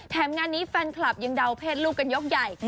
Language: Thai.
งานนี้แฟนคลับยังเดาเพศลูกกันยกใหญ่